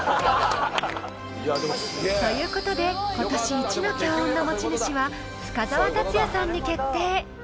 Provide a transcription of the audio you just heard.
［ということで今年イチの強運の持ち主は深澤辰哉さんに決定］